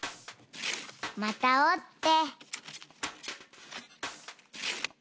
またおって。